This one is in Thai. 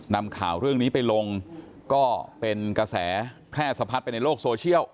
นำข่าวเรื่องนี้ไปลงก็เป็นกระแสแพร่สะพัดไปในโลกโซเชียล